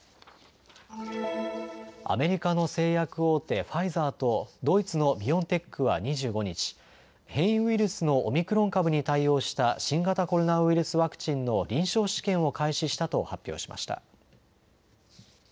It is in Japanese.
アメリカの製薬大手、ファイザーとドイツのビオンテックは２５日、変異ウイルスのオミクロン株に対応した新型コロナウイルスワクチンの臨床試験を開始したと発表しました。